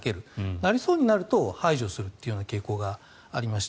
なりそうになると排除するという傾向がありました。